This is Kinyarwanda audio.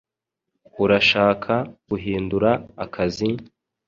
Urashaka guhindura akazi?